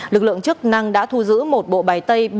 lực lượng chức năng đã thu giữ một bộ bài tay